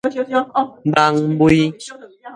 蠓蝛